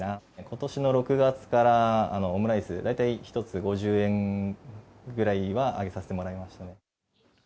ことしの６月からオムライス、大体１つ５０円ぐらいは上げさせてもらいましたね。